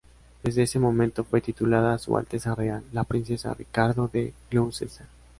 Desde ese momento fue titulada "Su Alteza Real" la princesa Ricardo de Gloucester.